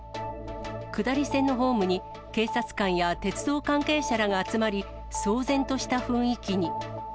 下り線のホームに、警察官や鉄道関係者らが集まり、騒然とした雰囲気に。